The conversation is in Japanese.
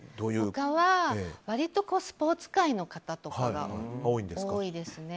他は割とスポーツ界の方が多いですね。